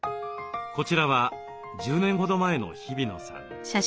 こちらは１０年ほど前の日比野さん。